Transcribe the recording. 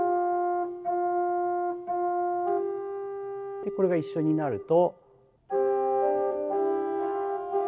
でこれが一緒になると。